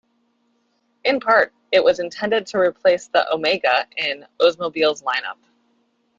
In part, it was intended to replace the Omega in Oldsmobile's lineup.